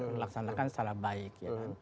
untuk dilaksanakan secara baik